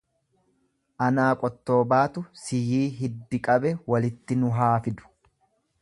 Anaa qottoo baatu, siyii hiddi qabe walitti nu haa fidu.